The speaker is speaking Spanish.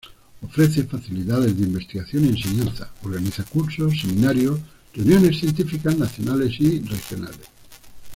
Ofrece facilidades de investigación y enseñanza, organiza cursos, seminarios, reuniones científicas nacionales y regionales